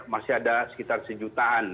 masih ada sekitar sejutaan